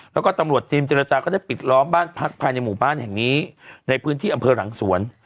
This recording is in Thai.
แล้วก็ตำรวจทีมเจรจาก็ได้ปิดล้อมบ้านพักภายในหมู่บ้านแห่งนี้ในพื้นที่อำเภอหลังสวน